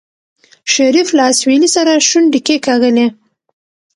شريف له اسويلي سره شونډې کېکاږلې.